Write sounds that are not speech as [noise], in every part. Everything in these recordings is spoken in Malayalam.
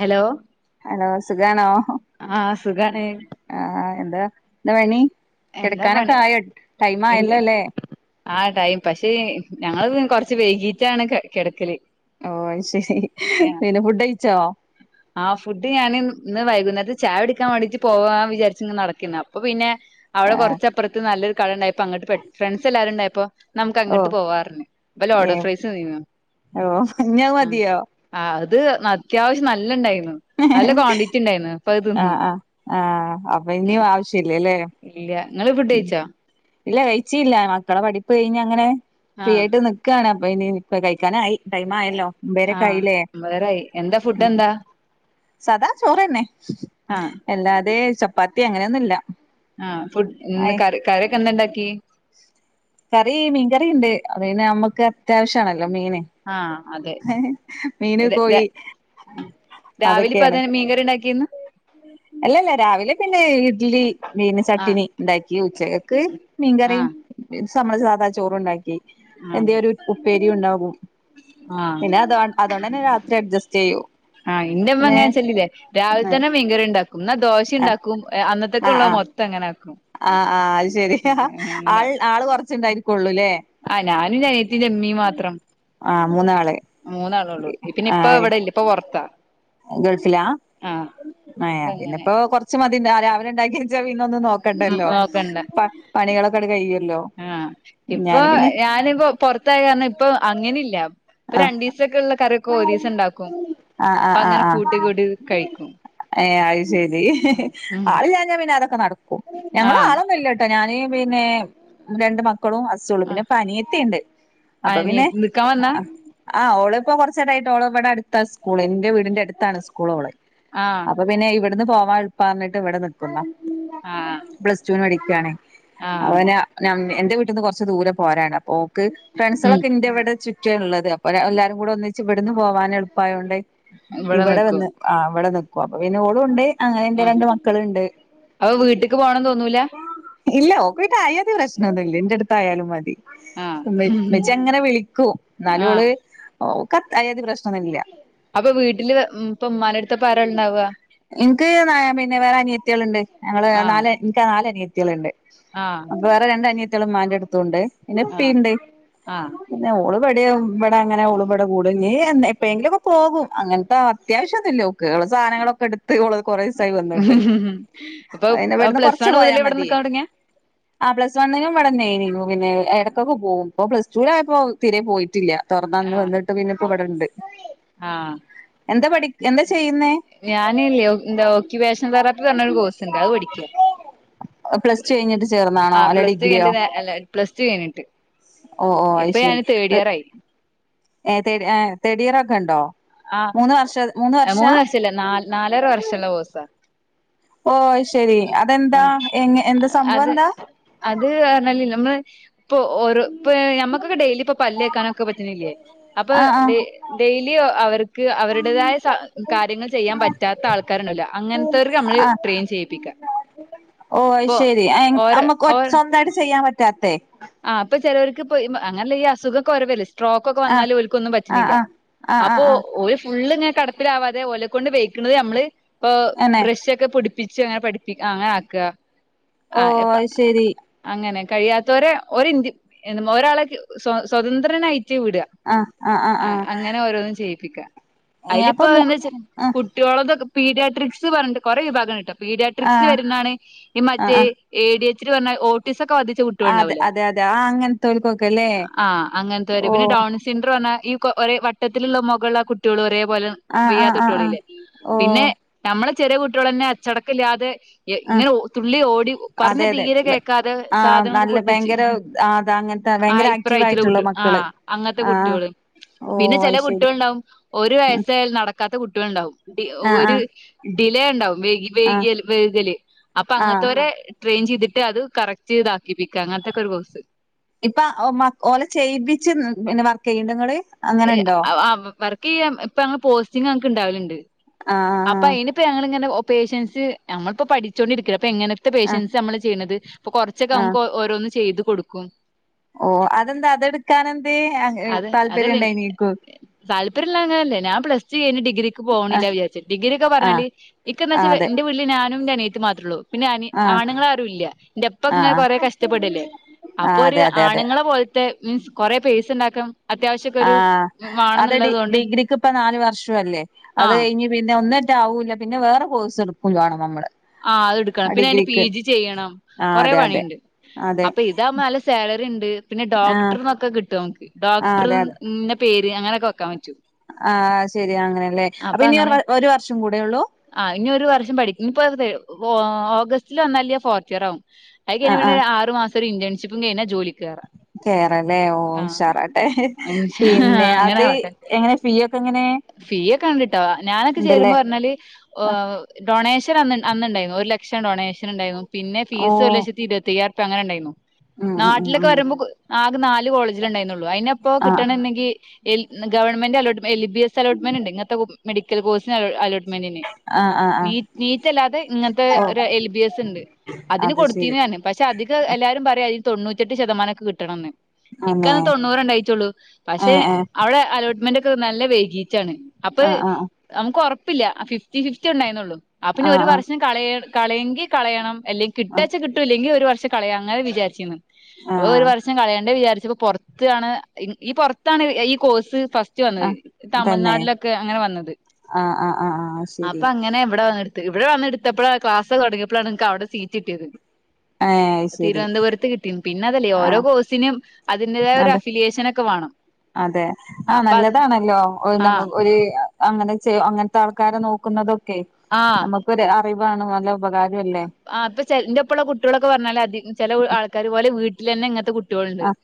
ഹലോ ഹലോ സുഖാണോ? ആഹ് സുഖാണ് ആഹ് എന്താ എന്താ പണി എന്താ കെടക്കാനൊക്കെ പണി ആയോ ടൈം ആയല്ലോ അല്ലേ ആഹ് ടൈം പക്ഷേ ഞങ്ങള് കൊറച്ച് വൈകീട്ടാണ് കെ കെടക്കല് ഓ അയ്ശരി പിന്നെ ഫുഡ് കയിച്ചോ ആഹ് ഫുഡ് ഞാന് ഇന് ഇന്ന് വൈകുന്നേരത്ത് ചായൊടിക്കാൻ വാണ്ടീട്ട് പോവ്വാൻ വിചാരിച്ച് ഇങ്ങനെ നടക്കേര്ന്നു അപ്പൊ പിന്നേ അവടെ ആഹ് കൊറച്ചപ്പറത്ത് നല്ലൊരു കടണ്ടായപ്പോ അങ്ങട്ട് പെ ഫ്രണ്ട്സ് എല്ലാരുണ്ടായപ്പോ ന്നമുക്ക് ഓ അങ്ങട്ട് പോവ്വാറ്ന്നു അപ്പ ഏ ലോഡർഫ്രൈസ് ന്നീന്നു ഓ ഇഞ്ഞത് ആഹ് മതിയോ ആഹ് അത് അത്യാവശ്യം നല്ലം ണ്ടായിരുന്നു നല്ല ക്വാണ്ടിറ്റി ഉണ്ടായിന്ന് ആഹ് ആ ആഹ അപ്പൊ ഇനിയും ആവശ്യല്ലല്ലേ ഇല്ല ഇങ്ങള് ഫുഡ്ഡയ്ച്ചോ ഇല്ല കഴിച്ചില്ല മക്കളെ പഠിപ്പ് കഴിഞ്ഞ് അങ്ങനെ ഫ്രീ ആഹ് ആയിട്ട് നി ക്കാണ് അപ്പ ഇനി കഴിക്കാനായി ടൈം ആയല്ലോ ഒമ്പേരൊക്കെ ആഹ് ആയില്ലേ ഒമ്പതരായി എന്താ ഫുഡ്ഡ്എന്താ സാദാ ചോറെന്നേ ആഹ് എല്ലാതേ ചപ്പാത്തി അങ്ങനെയൊന്നുല്ല ആഹ് ഫുഡ് ഇന്ന് കറി കറി ഒക്കെന്താണ്ടാക്കി കറി മീൻ കറീണ്ട് അത് പിന്നേ നമ്മുക്ക് അത്യാവശ്യാണല്ലോ മീന് ആഹ് അതെ മീന് ഇത് ഇത് കോഴി രാവിലിപ്പൊ അതൊക്കെയാണ് അതന്നെ മീൻകറി ഉണ്ടാക്കീന്ന് അല്ലല്ല രാവിലെ പിന്നേ ഇഡ്ലി പിന്നേ ആഹ് ചട്ടിണി ഉണ്ടാക്കി ഉച്ചകക്ക് മീൻകറിം ആഹ് സമ്മളെ സാദാ ചോറും ഉണ്ടാക്കി ആഹ് എന്തേരു ഉപ്പേരിയുണ്ടാകും ആഹ് പിന്നെ അതോ അതോണ്ടന്നെ രാത്രി അഡ്ജസ്റ്റയ്യും ആഹ് ഇന്റെമ്മ എങ്ങനേചെല്ല്ല്ലേ രാവില്തന്നെ മീൻകറിണ്ടാക്കും ഇന്നാ ആ ദോശിണ്ടാക്കും ഏ അന്നത്തേക്ക്ള്ളത് മൊത്തം അങ്ങനെ ആക്കും ആഹ് ആഹ് അത് ശരി ആ അങ്ങനെ ആൾ ആള് കൊറച്ച്ണ്ടായിരിക്കൊള്ളൂല്ലേ ആഹ് ഞാനും ന്റെ അനിയത്തിം ന്റെമ്മീം മാത്രം ആ മൂന്നാള് മൂന്നാളൊള്ളു പിന്നെ ആ ഇപ്പ ഇവടെല്ല ഇപ്പ പൊർത്താ ഗൾഫിലാ ഏഹ് അപ്പ അങ്ങനെ പിന്നെപ്പോ കൊറച്ച് മതി രാവിലെണ്ടാക്ക്യേത് ച്ച പിന്നൊന്നും നോക്കണ്ടല്ലോ നോക്കണ്ട പ പണികളൊക്കെട് കെയ്യെല്ലോ ഇപ്പോ എ ഞാനിപ്പോ പൊറത്തായ കാരണം ഇപ്പൊ അങ്ങനില്ല പ്പൊ ആ രണ്ടീസൊക്കെള്ള കറി ക്കോരീസണ്ടാക്കും ആഹ് ആഹ് ആഹ് ആഹ് കഴിക്കും ഏ അയ്ശരി ഹ് ഹെ ഉം ആളില്ലാ ഞ പിന്നെ അതൊക്കെ നടക്കും ഞങ്ങളും ആഹ് ആളൊന്നുല്ലട്ടോ ഞാന് പിന്നേ രണ്ട് മക്കളും ഹസ് സൊള്ളു ആഹ് പിന്നേപ്പനിയെത്തിണ്ട് അപ്പൊ അനിയ പിന്നെ നിക്കാൻ വന്നാ അ ആഹ് ഓള്പ്പൊ കൊറ ച്ചേരായിട്ടോള് ഇവിടെ അടുത്താ സ്കൂളേ ന്റെ വീടിന്റെട്ത്താണ് സ്കൂളോളെ ആഹ് അപ്പൊ പിന്നേ ഇവിട്ന്ന് പോവാൻ എള് പ്പാ റ്ഞ്ഞിട്ട് ഇവിടെ നിക്കുന്ന ആഹ് പ്ലസ് ടു ന് പഠിക്കാണേ ആഹ് അവന ഞമ് എന്റെ വീട്ടിന്ന് കൊറച്ച് ദൂരം പോരാണ്ട് അപ്പോക്ക് ഉം ഫ്രണ്ട്സൊളൊക്കെ ഇന്റെവ്ടെ ചുറ്റാള്ളത് അ എല്ലാരും കൂടെ ഒന്നിച്ച് ഇവടുന്ന് പോവാൻ എളുപ്പായോണ്ട് ഇവിടെ ഇവടെ നിക്കും വന്ന് ആഹ് ഇവിടെ നിക്കും. അപ്പൊ പിന്നെ ഓളുണ്ട് അങ്ങനെ എൻ്റെ ആഹ് രണ്ട് മക്കളുണ്ട് അപ്പൊ വീട്ട്ക്ക് പോണം തോന്നൂല ഇല്ല ഓക്ക് പിന്നെ അയാതി പ്രശ്നംന്നുല്ല ഇന്റെ ടുത്തായാലും മതി ആഹ് ഉമ്മ ഉമ്മച്ചി അങ്ങനെ വിളിക്കും എന്നാലും ആഹ് ഓള് ഓഹ് ക്ക അയാതി പ്രശ്നംന്നുല്ല അപ്പൊ വീട്ടില് മ് ഇപ്പൊ ഇമ്മാന്റട്ത്ത്പ്പാരാണ്ടാവാ ഇനിക്ക് പിന്നെ വേറെ അനിയത്തള് ഇണ്ട് ഞങ്ങള് ആഹ് നാല് ഇനിക്ക് നാല് അനിയത്തിള്ണ്ട് ആഹ് വേറെ രണ്ടനിയത്തിയാള് മ്മാന്റ ടുത്തൂണ്ട്. പിന്നെ ആഹ് ഇപ്പീണ്ട് ആഹ് ന്നെ ഓള് വടെവു വ്ട ങ്ങനെ ഓള് വ് കൂടും ഞ്ഞി. ന്ന് എപ്പഴങ്കിലും ഒക്കെ പോകും. അങ്ങനത്തെ അത്യാവശ്യ ന്നൂല്ലോക്ക്‌ ഓളെ സാധനങ്ങളൊക്കെടുത്ത് ഓള് കുറേസായി വന്ന് ഹു ഹു ഹും ഉം ഇപ്പൊ അ പ്ലസ് വണ്ണ് മുതലേ ഇവിടെ നിക്കാൻ തുടങ്ങിയേ ആഹ് പ്ലസ്ണ്ണിനുംവിടന്നെയിനു പിന്നെ ഇടക്കൊക്കെ പോകും ഇപ്പോ പ്ലസ്റ്റൂലായപ്പോ തിരെ പോയിട്ടില്ല തുറന്നന്ന് ആഹ് വന്നിട്ട് പിന്നെ ഇപ്പം ഇവിടെ ഉണ്ട് ആഹ് എന്താ പഠി എന്താ ചെയ്യുന്നേ ഞാനില്ലേ എന്താ ഓക്യുവേഷൻ തെറാപ്പി പറഞ്ഞരു കോഴ്സ്ണ്ട് അത് പഠിക്ക്യ പ്ലസ് ടു കഴിഞ്ഞിട്ട് ചേർന്നാണോ ആഹ് അല്ല പ്ലസ് ടു ഡിഗ്രിയോ കഴിഞ്ഞിട്ട് നേരെ പ്ലസ് ടു കഴിഞ്ഞിട്ട് ഓ ഓ ഇപ്പൊ ഞാന് തേഡിയർ ആയി ഏ തേടി ഏ തേടിയറൊക്കെണ്ടോ ആഹ്. എ മൂന്ന് വഷല്ല നാ നാലര വർഷള്ള കോഴ്‌സ ഓഅയ് ശെരി. ആ അതെന്താ എങ്ങ എന്താ അത് സംഭവന്താ അത് പറഞ്ഞാലില്ലേ നമ്മള് ഇപ്പൊ ഓരോ ഇപ്പം ഞമ്മക്കൊക്കെ ഡെയിലി ഇപ്പൊ പല്ല് തേക്കണം ക്കെ പറ്റണില്ലേ. അപ്പൊ ആഹ് ഡെ ഡെയിലി അവർക്ക് അവരുടേതായ സ ആഹ് കാര്യങ്ങൾ ചെയ്യാ പറ്റാത്ത ആൾക്കാരുണ്ടല്ലോ അങ്ങൻ ത്തേർക്ക് നമ്മള് ട്രെയിൻ ചെയ്യിപ്പി ക്ക ഓഹ് അയ് ശെരി ൻ ഓരോ നമ്മക്ക് ഒ സ്വന്തായിട്ട് ചെയ്യാൻ പറ്റാത്തെ ആ അപ്പൊ ചെലോർക്ക് ഇപ്പ ഇ മ അങ്ങനല്ലെ ഈ അസുഖൊക്കെ ഓരപേര്ൽ സ്ട്രോക്കൊക്കെ ആഹ് വന്നാല് ഓരുക്ക് ഒന്നും ആഹ് പറ്റുന്നില്ല ആഹ് ആഹ് ആഹ് അപ്പോ ആഹ് ഓര് ഫുളള് ഇങ്ങനെ കേടാ പ്പ്ലാവാതെ ഓലെ കൊണ്ട് വയ്ക്കണത് നമ്മള് ഇപ്പൊ ആണേ ബ്രഷക്ക്‌ - ‌ക്കെ പുടിപ്പിച്ച് അങ്ങനെ പഠിപ്പിക് അങ്ങനെ ആക്ക. ഓ ആ എപ്പ അത് ശരി അങ്ങനെ. കഴിയാത്തവരെ ഒര് ഇന്ത് എന്ത ഒരാളെ സ്വ സ്വതന്ത്രനായിറ്റ് വിടുഅ ആഹ് ആഹ് ആഹ് അഹ് ആഹ് അങ്ങനെ ഓരോന്നും ചെയ്യിപ്പിക്കാ. ഏ അയില് അപ്പൊ ഇപ്പൊഎ മു ന്തായ്ച്ചാകുട്ട് ആഹ് കുട്ട്യാളെത് പീഡിയട്രിക്സ് പറഞ്ഞിട്ട് കൊറേ വിഭാഗമുണ്ട് ട്ടോ പീഡിയാട്രിക്സിൽ ആഹ് വരുന്നതാണ് ഈ ആഹ് മറ്റേ ആഹ് എ. ഡി. എച്ച്. ഡി പറഞ്ഞാൽ ഓട്ടീസം ഒക്കെ ബാധി ആഹ് അത് അതെ അതെ ആ അങ്ങനത്തോൽക്കോക്കലേ ആഹ് അങ്ങനത്തെര് ഓഹ് [unintelligible] ഈ കൊ ഒരേ വട്ടത്തിലുള്ള മുകള് ആ കുട്ടികള് ഒരേപോലെ നി ആഹ് ആഹ് വെയ്യാത്ത ആഹ് ആഹ് കുട്ട്യോളില്ലേ. ഓ പിന്നെ നമ്മളെ ചെറിയ കുട്ട്യോളന്നെ അച്ചടക്കല്ലാതെ ഏഹ് ആഹ് ഇങ്ങനെ തുള്ളി ഓടി പറഞ്ഞ അതെ അതെ തീരെ കേക്കാതെ സാധനങ്ങളൊക്കെ പൊട്ടിച്ച് ആഹ് അതാ അങ്ങനെ ആഹ് ഹൈപ്പർ ആയിട്ടുള്ള ആ അങ്ങനത്തെ ആഹ് കുട്ട്യാള് ഓ പിന്നെ ചെല അത് ശരി കുട്ട്യോള്ണ്ടാവും ഒരു വയസ്സയലും നട ക്കാത്ത കുട്ട്യോൾ ഉണ്ടാവും. ആഹ് ഒരു ആഹ് ഡിലേ ഉണ്ടാവും വൈകി ആഹ് വേകല് വേകല് അപ്പൊ ആഹ് അങ്ങനെത്തോരെ ട്രെയിൻ ചെയ്തിട്ട് അത് കറക്റ്റ് ചെയ്ത് ആക്കിപ്പിക്കാം അങ്ങനെത്തെ ഓക്കേ ഒരു കോഴ്സ് ഇപ്പാ ഓ മാ ഓലെ ചെയ്യിപ്പിച്ച് പിന്നെ വർക്ക് ചെയ്യുന്നുണ്ടോ നിങ്ങള് ആഹ് ആ വർക്ക് ചെയ്യാം ഇപ്പം അങ്ങനെ പോസ്റ്റിങ് ഞങ്ങൾക്ക് ഉണ്ടാവലുണ്ട് ആഹ് അപ്പൊ ആഹ് അയിനിപ്പോ ഞങ്ങളിങ്ങനെ ഓഹ് പേഷൻസ് ഞങ്ങളിപ്പോ പഠിച്ചുകൊണ്ടിരിക്ക അപ്പൊ എങ്ങനെ ത്ത ആഹ് പേഷ്യൻസ് നമ്മള് ചെയ്യ്ണത് പ്പൊ കുറച്ചൊക്കെ നമുക്ക് ഓരോന്ന് ചെയ്ത് കൊടുക്കും ഓഹ് അതെന്താ അതെടുക്കാൻ എന്തെ ആഹ് അത് താല്പര്യം അതല്ലേ ഉണ്ടായി നിക്ക് താല്പര്യല്ല അങ്ങനെയല്ലേയ് ഞാ പ്ലസ്ടു കഴിഞ്ഞ് ഡിഗ്രിക്ക് ആ പോണില്ല വിചാരിച്ച്. ഡിഗ്രി ഒക്കെ ആ പറഞ്ഞാല് ഇക്കാ ആ എന്താച്ചാ അതെ ഇന്റെ വീട്ടില് ഞാനും ന്റെ അനിയത്തി മാത്രേള്ളൂ പിന്നെ അ ആ ആണുങ്ങൾ ആരും ഇല്ല എന്റെപ്പ ആ ഇങ്ങനെ കൊറെ കഷ്ടപ്പെടല്ലേ ആ അപ്പൊ ഒരു അതെ അതെ അതെ ആണുങ്ങളെ പോലത്തെ മീൻസ് കൊറെ പേസ് ഉണ്ടാക്കാ ആഹ് അത് ഡി കൊണ്ട് ഡിഗ്രിക്ക് ഇപ്പ നാല് വർഷംല്ലേ അത് ആഹ് കഴിഞ്ഞ പിന്നെ ഒന്നിറ്റാവൂല്ല പിന്നെ വേറെ കോഴ്സ് എടുക്കുംവാണം നമ്മള് ആഹ് അത് എടുക്കണം പിന്നെ അയിന്റെ പി ഡിഗ്രിക്ക് ജി ചെയ്യണം ആ കൊറെ അതെ അതെ പണിണ്ട് അതെ അപ്പൊ ഇത് ഇതാകുമ്പോ നല്ല സാലറി ഉണ്ട് പിന്നെ ആ ഡോക്ടർന്നൊക്കെ കിട്ടും നമുക്ക് ആ അതെ ഡോക്ടർന്ന പേര് അങ്ങനൊക്കെ വക്കാൻ പറ്റു ആഹ് ശെരി അങ്ങനെയല്ലേ അപ്പൊ ഇനി ഒരു അങ്ങനെ ഒരു വർഷം കൂടെ ഉള്ളൂ ആഹ് ഇനി ഒരു വർഷം പഠിക്കുന്നു ഇപ്പൊ ഓഗസ്റ്റില് വന്നല് ഫോർത്ത് ഇയർ ആകും ആയ് ആ കഴിഞ്ഞ ആ പിന്നെ ആറ് മാസം ഒരു ഇന്റേഷിപ്പും കഴഞ്ഞാ ജോലി കേറ കേറല്ലേ ഓഹ് ഉഷാറാട്ടെ ഇൻഷാ പിന്നെ അല്ലാഹ് അങ്ങനെ അത് ആവട്ടെ എങ്ങനെ ഫീ ഒക്കെ എങ്ങനെ ഫീ ഒക്കെ കണ്ടിട്ടോ ഞാനൊക്കെ ചേരുമ്പോ ഉണ്ടല്ലേ പറഞ്ഞാല് ഡൊണേഷൻ അന്ന് അന്നുണ്ടായിരുന്നു ഒരു ലക്ഷം ഡൊണേഷൻണ്ടായിരുന്നു പിന്നെ ഫീസ് ഒരു ഓ ലക്ഷത്തിരുപ്പതിയ്യായിരം അങ്ങനെ ഉണ്ടായിരുന്നു ഉം ഉം ഉം നാട്ടിലൊക്കെ ഉം വരുമ്പോ ആകെ നാല് കോളേജിൽ ഉണ്ടായിന്നുള്ളു അയിന്പ്പോ ആഹ് കിട്ടണണ്ടെങ്കിൽ എ ഗവൺമെന്റ് അലോട്ട്മെൻ്റ് എൽബിഎസ് അലോട്ട്മെന്റ് ഉണ്ട് ഇങ്ങത്തെ മെഡിക്കൽ കോഴ്സി അലോട്ട്മെന്റിന് ആഹ് ആഹ് ആഹ് നീ നീറ്റ് അല്ലാതെ ഇങ്ങനത്തെ ഓ ഒരു എൽബിഎസ് ഉണ്ട് അതിന് അത് ശരി കൊടുത്തീന്ന് ഞാന പക്ഷെ അധികെ എല്ലാരും പറയാ അതിന് തൊണ്ണൂറ്റട്ട് ശതമാനൊക്കെ കിട്ടണംന്ന് അന്നെ ഇക്കാനെങ്കി തൊണ്ണൂറ് ഉണ്ടായിട്ടുള്ളൂ പക്ഷെ ഏഹ് ഏഹ് അവിടെ അലോട്ട്മെന്റ് ഒക്കെ നല്ല വൈകീറ്റാണ് അപ്പൊ ആഹ് ആഹ് നമുക്ക് ഉറപ്പില്ല ഫിഫ്റ്റി ഫിഫ്റ്റി ഉണ്ടായിന്നള്ളു അപ്പൊ പിന്നെ ഒരു ആഹ് വർഷം കളയ കളയെങ്കി കളയണം അല്ലെങ്കിൽ ആഹ് കിട്ടാച്ച കിട്ടൂല്ലെങ്കിൽ ഒരു വർഷം കളയാം അങ്ങനെ വിചാരിച്ചിന്ന് അപ്പൊ ഒരു ആഹ് വർഷം കളയേണ്ടേ വിചാരിച്ചപ്പോ പുറത്താണ് ഈ പുറത്താണ് ഈ കോഴ്സ് ഫസ്റ്റ് വന്നത് ആഹ് തന്നെ തമിഴ്നാട്ടിലൊക്കെ അങ്ങനെ വന്നത് ആഹ് ആഹ് ആഹ് ആഹ് ശരി അപ്പൊ അങ്ങനെ ഇവിടെ വന്ന ഇവിടെ വന്ന എടുത്തപ്പോഴാണ് ക്ലാസ് തുടങ്ങിയപ്പോണ് ഇനിക്ക് അവടെ സീറ്റ് കിട്ടിയത് ഏഹ് അയ്ശരി തിരുവനന്തപുരത്ത് കിട്ടിന്ന് പിന്നെ അതല്ലേ ഓരോ ആഹ് കോഴ്സിനും അതിന്റതായ ഒരു അതെ അഫിലിയേഷന ഒക്കെ വേണം അതെ ആഹ് അപ്പൊ അത് നല്ലതാണല്ലോ നമ്മു ആഹ് ഒരു അങ്ങനെ ചെയ്യ അങ്ങനത്തെ ആൾക്കാരെ നോക്കുന്നതൊക്കെ ആഹ് നമുക്ക് അറിവാണ് നല്ല ഉപകാരം അല്ലേ ആഹ് പോ ചെ എന്റെപ്പള്ള കുട്ടിയാളൊക്കെ പറഞ്ഞാൽ അ ചില ആൾക്കാാര് ഒലെ വീട്ടിലെന്നെ ഇങ്ങനത്തെ കുട്ട ണ്ട് ആഹ്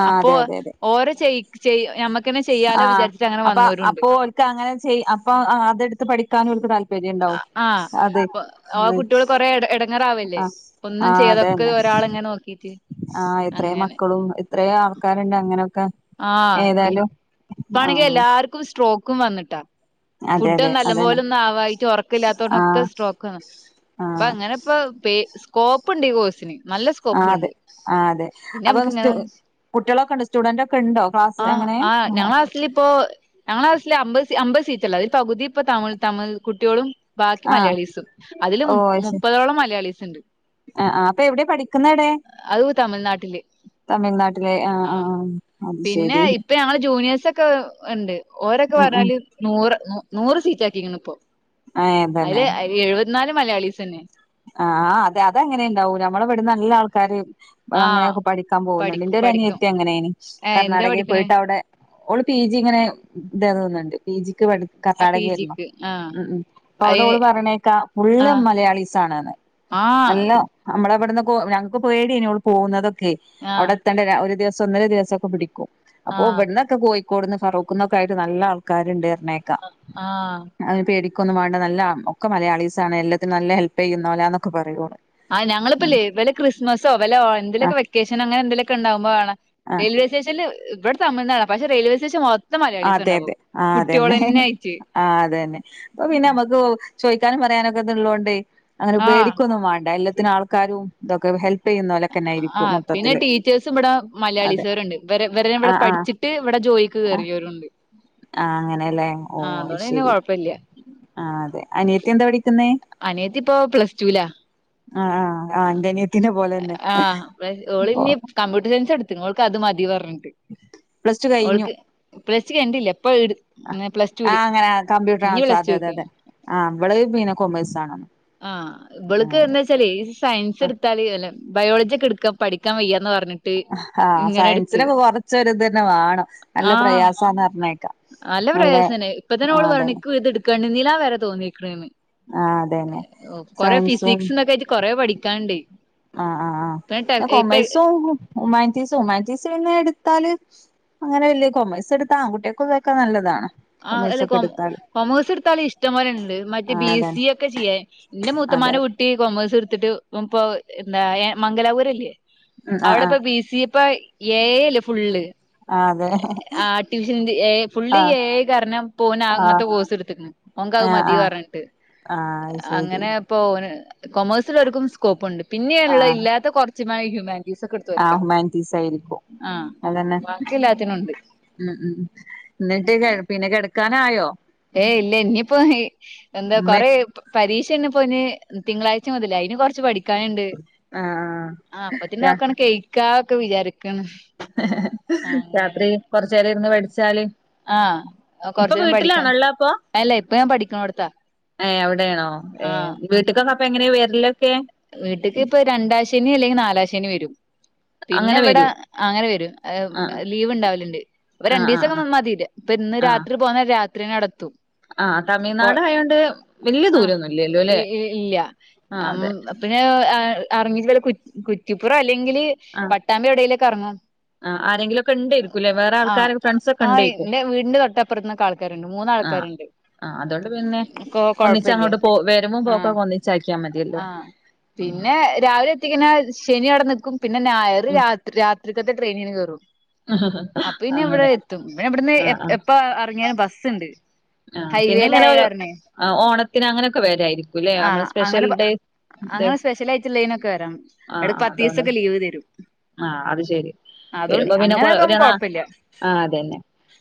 ആഹ് അപ്പോ അതെ അതെ അതെ ഓര ചെയ മ്മക്ക് അങ്ങന ചെയ്യാലോ ആഹ് വിചാരിട്ട് അങ്ങനെ അപ്പൊ വന്നോരുണ്ട് അപ്പൊ ഓൽക്ക് അങ്ങനെ ചെയ്യും അപ്പൊ അതെടുത്ത് പഠിക്കാനു ഓൽക്ക് താൽ ആഹ് ആ കുട്ടികൾ കൊറെ ഇടങ്ങറാവല്ലേ ആഹ് ഒന്നും ആഹ് ചെയ്തൊക്കെ അതന്നെ ഒക്കെ ഒരാൾങ്ങനെ നോക്കിട്ട് ആഹ് എത്ര മക്കളും എത്രയ ആൾക്കാരുണ്ട് അങ്ങനെക്കെ ആ ഇപ്പാണെങ്കിൽ എല്ലാർക്കും സ്ട്രോക്കും വന്നിട്ടാ. അതെ ഫുഡ് അതെ നല്ലം അതന്നെ പോലെന്നും ആവായിട്ട്, ഉറക്കില്ലാത്തോണൊക്കെ ആഹ് സ്ട്രോക്ക് വന്ന്. അപ്പോ ആഹ് അങ്ങനെ ഇപ്പ സ്കോപ്പ് ഉണ്ട് ഈ കോഴ്സിന്. നല്ല ആഹ് അതെ സ്കോപ്പ്ണ്ട് ആഹ് അതെ പിന്നെ നമുക്ക് അപ്പം- സ്റ്റു ഇങ്ങനെ കുട്ടികളൊക്കെണ്ടോ? സ്റ്റുഡന്റ് ഒക്കെണ്ടോ? ആഹ് ആഹ് ഞങ്ങള ക്ലാസിൽ- ഇപ്പൊ ഞങ്ങള ക്ലാസിൽ അമ്പത് അമ്പത് സീറ്റല്ല അ പകുതി ഇപ്പോ തമി് തമിഴ് കുട്ടിളും. ബാക്കി ആഹ് മലയാളീസും അതില്- ഓ അത് ശരി മുപ്പതോളം മലയാളീസ്ണ്ട്. ആഹ് ആഹ് അപ്പോ. അത് തമഴ്നാട്ടിൽ. തമിഴ്നാട്ടിലെ ആഹ് അത് പിന്നെ ശരി ഇപ്പ ഞങ്ങള് ജൂനിയേഴസോക്കെ ഉണ്ട്. ഓരൊക്കെ ഉം ഉം പറഞ്ഞാല്- നൂറ് ന നൂറ് സീറ്റാക്കീക്കണ് പ്പൊ, ഏഹ് തന്നെ അയില് എയ് വത്തിനാലും മലയാളീസ് തന്നെ. ആഹ് അതെ അതങ്ങനെ ഇണ്ടാവൂ നമ്മളെവിടെന്ന് നല്ല ആൾക്കാര്. ആഹ് അങ്ങനെയൊക്കെ പഠിക്കാൻ പഠി പോകുന്നുണ്ട് എന്റെ ഒരു- പഠിക്കും അനിയത്തി അങ്ങനേനി, ഏഹ് എന്താ കർണാടകയിൽ പഠിക്കണേ പോയിട്ട് അവിടെ- ഓള് പി. ജി ഇങ്ങനെ ഇതാ- തോന്ന്ണ്ട് പി. ജിക്ക് പഠിക്ക- ആഹ് പി കർണാടകയായിരുന്നു ജിക്ക് ആഹ് ഉം ഉം.. അവിടെ അയി ഓള് പറീണേക്കാ ഫുള്ള് ആഹ് മലയാളീസ്- സാനാണ് ആഹ് അല്ല നമ്മളിവിടുന്ന് ക്കൊ ഞങ്ങൾക്ക് പേടിയെയ്നി ഓൾ- പോകുന്നതൊക്കെ. ആഹ് അവിടെ എത്തേണ്ട ഒരു ദിവസം, ഒന്നര ദിവസംക്കെ പിടിക്കും. അപ്പോ ആഹ് ഇവിന്ന്- ക്കെ കോഴിക്കോട്ന്ന് ഫറോക്ക്ന്ന ക്കായിട്ട് നല്ല ആൾക്കാരുണ്ട് പറീണെക്കാ. ആഹാ അയിന് പേടിക്കൊന്നും വേണ്ട, നല്ല ഒ ഒക്കെ മലയാളീസാണ്. എല്ലത്തിനും നല്ല ഹെൽപ് ചെയ്യുന്നോലന്നൊക്കെ പറയും ഓൾ. ആ ഞങ്ങളിപ്പല്ലേ ഇവല് ക്രിസ്മസോ, വല്ലോ എന്തെലൊക്കെ വെക്കേഷനോ, അങ്ങനെ എന്തലൊക്കെ ഉണ്ടാകുമ്പോ ആണ്- ആഹ് [inaudible] സ്റ്റേഷൻല് ഇവിടെ തമിഴ്നാടാണ്, പക്ഷെ റെയിൽവേറ്റേഷൻ മൊ- അതെ അതെ ആഹാ അതന്നെ, ആയിട്ട് ആഹാ അതന്നെ അപ്പോ പിന്നെ ഞമ്മക്ക്- പ്പോ ചോയിക്കാനും പറയാനൊക്കെ ള്ളോണ്ടേ അങ്ങനെ ആഹ് പേടിക്കൊന്നും വേണ്ട എല്ലത്തിനും ആൾ- ക്കാരും ഇതൊക്കെ ഹെൽപ്- ചെയ്യുന്നോലൊക്കെന്നെ ആ ആയിരിക്കും പിന്നെ മൊത്തത്തില് ടീച്ചേഴ്സും ഇവിടെ- മലയാളി അതെ സാർണ്ട് ഇവര ആ ഇവിടെ പഠിചിട്ട്- ട്ട് ഇവിടെ ജോയിക്ക് കേറിയവരുണ്ട്. ആഹ് അങ്ങനെല്ലേ ഓ പിന്നെ ശരി. കൊഴപ്പല്ല ആ അതെ അനിയത്തി എന്താ പഠിക്കുന്നേ? അനിയത്തി ഇപ്പോ പ്ലസ് ടുലാ ആഹാ ആ് ഇന്റെനയത്തിനെ പോലെന്നെ. ആഹ് പ്ലസ് ഓള് ഇനി കമ്പ്യൂട്ടർ സയൻസ് എടുത്ത്ക്കണ്, ഓൾക്ക് അത് മതി പറഞ്ഞിട്ട് പ്ലസ് ടു കഴിഞ്ഞു ഓൾക്ക്- പ്ലസ്ടു കഴിഞ്ഞിട്ടില്ല ഇപ്പ ഇട് പ്ലസ്- ടുല് ആഹ് അങ്ങനെ ആ കമ്പ്യൂട്ടർ ഇനി ആ- സസ് പ്ലസ് അതെ, അതെ, ടുക്ക് അതെ ആഹ് ഇവള് പിന്നെ കൊമേഴ്സ് ആണ്. ആഹ് ഇവൾക്ക് എന്താ? ആ ച്ചാൽ സയൻസ് എടുത്താല്ല്- ബയോളജി ഒക്കെ എടുക്കാ പഠിക്കാൻ വയ്യാ എന്ന് പറഞ്. ആഹാ ആഹാ സയൻസിനൊക്ക- കൊറച്ചൊരി ഇതന്നെ വാണം. നല്ല ആഹ് പ്രയാസാന്ന് പറഞ്ഞേക്കാം. നല്ല പ്രയാസനെ ഇപ്പ തന്നെ ആ ഓള്- അതന്നെ പറഞ്ഞണിക്കൂ ഇത് ഇട്ക്കെണ്ടീല ന്ന് വരെ തോന്നിയിക്കണേന്ന്. ആ അതന്നെ കൊറെ സയൻസും ഫിസിക്സ് തൊക്കെയായിട്ട് കൊറെ പഠിക്കാണ്ട്. ആഹ് ആ് ഇപ്പ ആ് ഇപ്പ കൊമേഴ്സും, ഹുമാൻറ്റീസും, ഹുമാൻറ്റീസ് പിന്നെ ഇടുത്താല്- അങ്ങനെ വലിയ കോമേഴ്സ് ഇട്താൽ, ആൺകുട്ടിയാക്കും ഇതൊക്കെ നല്ലതാണ്. ആഹ് കൊമേഴ്സ് അല്ല. ഒക്കെ എടുത്താല് കൊമേഴ്സ് എടുത്താല് ഇഷ്ടം- പോലെണ്ട് മറ്റ് ആ ബി. സി. അതന്നെ എ ഒക്കെ ചെയ്യാ. ഇന്റെ അതെ മൂത്തമ്മാന്റെ കുട്ടി- പ്പൊ ഈ കൊമേഴ്സ് ഇട്ത്തിട്ട് ഓൻ പ്പൊ ന്താ മംഗലാപുരല്ലേ? ഉം ആ ആ അവിടെപ്പോ ബി. സി. എ പ്പ ഏ എ അല്ലെ ഫുള്ള്. ആ അതെ ആർട്ടിഫിഷ്യൽ ഇന്റെലി എ. ഐ, ഫുള്ള് ആ ആ എ ഐ. പറഞ്ഞ പോ ഓൻ അങ്ങനത്തെ കോഴ്സ് ഇടത്തക്ക്ണ്, ഓൻക് അത് ആ ആ മതിന്ന് പറഞ്ഞിട്ട് ആ അത് ശരി അങ്ങനെ. പ്പോ ഓന് കൊമേഴ്സെല്ലാർക്കും സ്കോപ്പ് ഉണ്ട്, ആ പിന്നെയുള്ള ഇല്ലാത്ത കുറച്ചു ഹ്യുമാനിറ്റീസ്- സൊക്കെ ആ എടുതോർക്കാ. ഹ്യുമാനിറ്റീസ് ആയിരിക്കും [inaudible] ആഹ് അതന്നെ ബാക്കി എല്ലാത്തിനും ഉണ്ട്. ഉം ഉം ന്നിട്ട് പിന്നെ കിടക്കാനായോ? ഏയ് ഇല്ല ഇനിയിപ്പോ ഹേ എന്താ ഉമ്മ കൊറെ പ്പൊ പരീക്ഷ ഇന്നെപ്പോന് തിങ്കളാഴ്ച മുതല് അയിന് കുറച്ച് ച് പഠിക്കാനുണ്ട് ആ ആ അപ്പത്തിനതൊക്കെണ് കഴിക്ക ന്ന് ഒക്കെ വിചാരിക്കണ് ആ, അങ്ങനെ രാത്രി കൊറച്ചേരം ഇരുന്ന് പടിച്ചാല് ആഹ് കൊറചേരം പഠിക്കാ ഉള്ളെ അപ്പൊ അല്ല ഇപ്പൊ ഞാൻ പഠിക്കണോടത്താ ഏ അവിടേണോ ഏ ആഹ് വീട്ടക്കൊക്കെ പ്പൊ എങ്ങനെ വെരലൊക്കെ വീട്ടക്ക് ഇപ്പൊ രണ്ടാശനി അല്ലെങ്കി നാലാശെനി വരും പിന്നെ അങ്ങനെ ഇവിടെ വരൂ അങ്ങനെ വരും ആ ലീവ് ഉണ്ടാവലുണ്ട് അപ്പൊ ആ ആ രണ്ടീസൊക്കെ നിന്ന മതി [inaudible] ഇപ്പൊ ഇന്ന് ആ രാത്രി പോന്ന രാത്രിന്നേ അവിടെ എത്തും ആ കൊ തമിഴ്നാട് ആയോണ്ട് വല്യ ആഹ് ദൂരൊന്നും ഇല്ലല്ലോ ഇ അല്ലെ ഇല്ല ആ ഞമ് അതെ പിന്നെ ഇറങ്ങിചിട്ട് ഓല് കുറ്റിപ്പുറം അല്ലെങ്കില് ആ പട്ടാമ്പി എവിടേലൊക്കെ ഇറങ്ങും ആ ആരെങ്കിലുമൊക്കെ ഉണ്ടേരിക്കൂല്ലേ വേറെ ആ ആൾക്കാര് ഫ്രണ്ട്സ് ഒക്കെ ആഹ് ഉണ്ടേക്കും എന്റെ വീടിന്റെ തൊട്ടപ്പറത്ത്ന്ന കളി ആൾക്കാരുണ്ട് മൂന്ന് ആ ആൾക്കാരുണ്ട് ആ അതുകൊണ്ട് പിന്നെ ഒന്നിച്ച് അങ്ങോട്ട് പോ വരുമ്പോ ആഹ് പോക്കക്കെ ഒന്നിച്ച് ആക്കിയാൽ മതിയല്ലോ ആഹ് ഉം പിന്നെ രാവിലെ എത്തിക്കുന്ന ശനി അവിടെ നിൽക്കും പിന്നെ ഞായർ ഉം രാത് രാത്രിക്കത്തെ ട്രെയിനിന് കെയറും അപ്പപിന്നെ ഇവിടെ അങ്ങനെ എത്തും പിന്നെ അവിടെന്ന് ആ ആ എപ്പ എ എറങ്ങിയാലും ബസ്സുണ്ട് ആ പിന്നെ ഹൈവേയിലായ ഇങ്ങനെ ഒരു കാരണേ ആ ഓണത്തിന് അങ്ങനെയൊക്കെ വരായിരിക്കുംല്ലേ നമ്മള് ആഹ് സ്പെഷ്യൽ അങ്ങനെ ഡേ ഡേ അങ്ങനെ സ്പെഷ്യൽ ആയിട്ടുള്ളതിനനൊക്കെ വരാം ആ എടക്ക് ആ പത്ത് അതുകൊണ്ട് ദിവസൊക്കെ ലീവ് തരും ആഹ് അത് ശെരി അതുകൊണ്ട് വെരുമ്പ പിന്നെ കൊ അങ്ങനെയൊക്കെ ആവുമ്പോ [unintelligible] കൊഴപ്പില്ല ആ അത് തന്നെ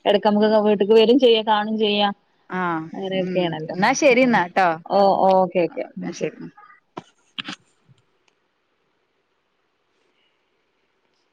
എടയ്ക്ക് നമുക്ക് വീട്ട്ക്ക് വരും ചെയ്യാം കാണും ചെയ്യാം ആഹ് ഉം അങ്ങനെയൊക്കെ ആണല്ലോ എന്നാ ശരി എന്നാ ട്ടോ ഓ ഓക്കെ ഓക്കെ അത് ശരി